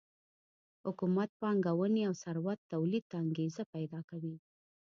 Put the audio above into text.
حکومت پانګونې او ثروت تولید ته انګېزه پیدا کوي.